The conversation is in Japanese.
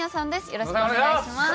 よろしくお願いします。